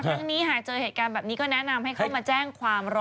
ครั้งนี้หากเจอเหตุการณ์แบบนี้ก็แนะนำให้เข้ามาแจ้งความรอ